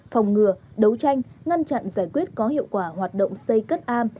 phòng ngừa đấu tranh ngăn chặn giải quyết có hiệu quả hoạt động xây cất am